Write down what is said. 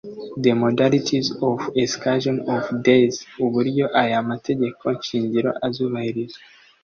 the modalities of execution of these uburyo aya mategeko shingiro azubahirizwa